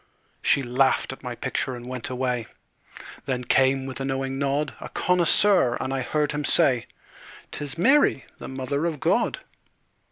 She laughed at my picture and went away. Then came, with a knowing nod, A connoisseur, and I heard him say; "'Tis Mary, the Mother of God."